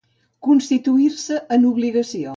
Constituir-se'n en obligació.